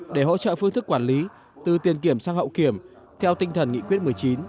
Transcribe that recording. để hỗ trợ phương thức quản lý từ tiền kiểm sang hậu kiểm theo tinh thần nghị quyết một mươi chín